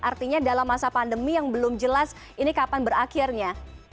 artinya dalam masa pandemi yang belum jelas ini kapan berakhirnya